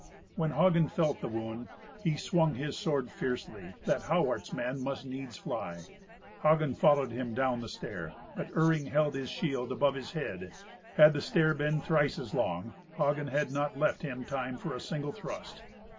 When Hagen felt the wound, he swung his sword fiercely, that Hawart's man must needs fly. Hagen followed him down the stair. But Iring held his shield above his head. Had the stair been thrice as long, Hagen had not left him time for a single thrust.